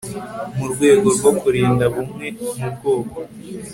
mu rwego rwo kurinda bumwe mu bwoko